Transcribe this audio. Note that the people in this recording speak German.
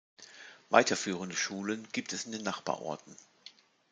Weiterführende Schulen gibt es in den Nachbarorten.